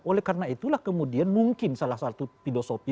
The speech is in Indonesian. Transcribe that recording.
oleh karena itulah kemudian mungkin salah satu filosofi